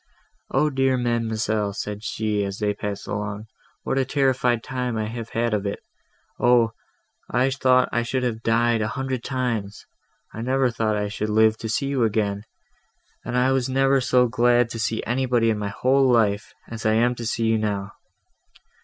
"Oh dear ma'amselle," said she, as they passed along, "what a terrified time have I had of it! Oh! I thought I should have died a hundred times! I never thought I should live to see you again! and I never was so glad to see anybody in my whole life, as I am to see you now."